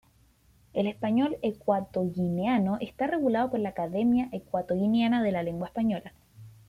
El español ecuatoguineano está regulado por la Academia Ecuatoguineana de la Lengua Española.